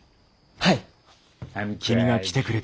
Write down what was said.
はい！